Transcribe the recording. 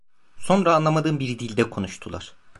Sonra anlamadığım bir dilde konuştular.